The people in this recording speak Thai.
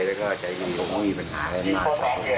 และก็ใช้ที่ดีกว่าไม่มีปัญหาอะไรมาก